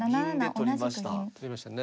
取りましたね。